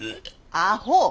アホ！